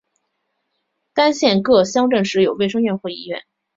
单县各乡镇设有卫生院或医院。